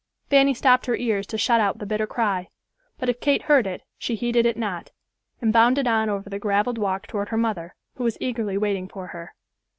Fanny stopped her ears to shut out the bitter cry, but if Kate heard it, she heeded it not, and bounded on over the graveled walk toward her mother, who was eagerly waiting for her.